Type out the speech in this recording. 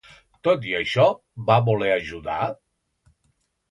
Tot i això, va voler ajudar?